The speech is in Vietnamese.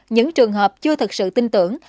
những trường hợp chưa thật sự tin tưởng